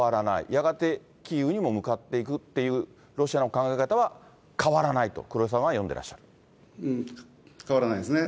やがてキーウにも向かっていくっていうロシアの考え方は変わらな変わらないですね。